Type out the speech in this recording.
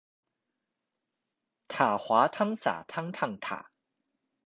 塔滑湯灑湯燙塔